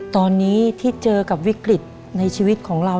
ตอนนี้ที่เจอกับวิกฤตในชีวิตของเรา